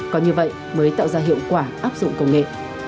có như vậy mới tạo ra hiệu quả áp dụng công nghệ